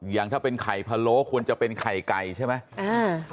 อย่างถ้าเป็นไข่พะโล้ควรจะเป็นไข่ไก่ใช่ไหม